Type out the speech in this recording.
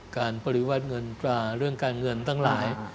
การปฏิวัติเงินตราเรื่องการเงินทั้งหลาย